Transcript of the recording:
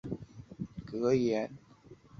饰带上是拉丁文的利玛窦宿舍格言。